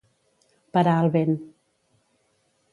Parar el vent.